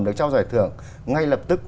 được trao giải thưởng ngay lập tức